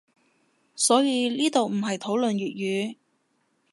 所以呢度唔係討論粵語